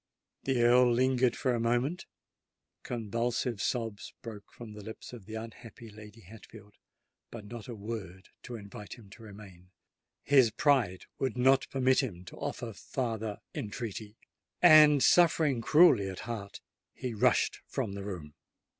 The Earl lingered for a moment: convulsive sobs broke from the lips of the unhappy Lady Hatfield—but not a word to invite him to remain! His pride would not permit him to offer farther entreaty;—and, suffering cruelly at heart, he rushed from the room.